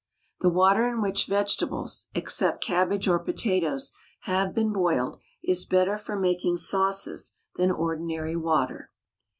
The water in which vegetables (except cabbage or potatoes) have been boiled is better for making sauces than ordinary water.